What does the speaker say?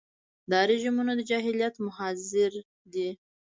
دا رژیمونه د جاهلیت مظاهر دي.